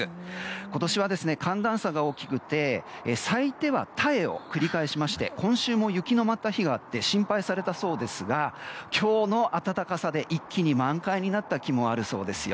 今年は寒暖差が大きくて咲いては耐えを繰り返しまして今週も雪の舞った日があって心配されたそうですが今日の暖かさで一気に満開になった木もあるそうですよ。